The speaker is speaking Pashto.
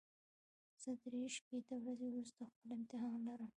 زه درې شپېته ورځې وروسته خپل امتحان لرم.